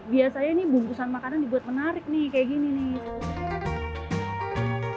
biasanya nih bungkusan makanan dibuat menarik nih kayak gini nih